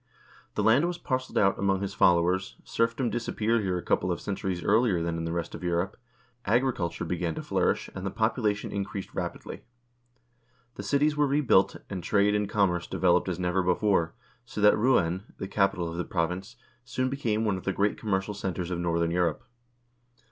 The land was parceled out among his followers, serfdom disappeared here a couple of centuries earlier than in the rest of France, agriculture began to flourish, and the population increased rapidly.1 The cities were rebuilt, and trade and commerce developed as never before, so that Rouen, the capital of the province, soon became one of the great commercial centers of northern Europe.